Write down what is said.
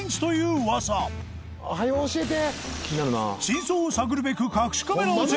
真相を探るべく隠しカメラをセット